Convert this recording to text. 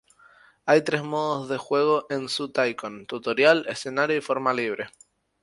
Hay tres modos de juego en "Zoo Tycoon": tutorial, escenario, y forma libre.